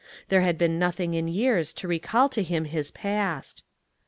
There had been nothing in years to recall to him his past.